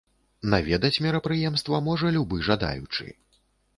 Наведаць мерапрыемства можа любы жадаючы.